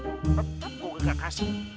tetep gue gak kasih